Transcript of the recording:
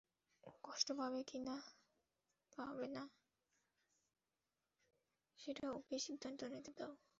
ও কষ্ট পাবে কি পাবে না, সেটা ওকেই সিদ্ধান্ত নিতে দাও।